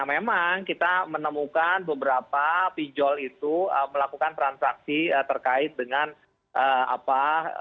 memang kita menemukan beberapa pinjol itu melakukan transaksi terkait dengan apa